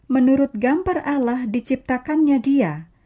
menurut gambar alah diciptakannya dia